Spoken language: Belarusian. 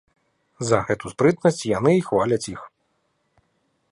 За гэту спрытнасць яны й хваляць іх.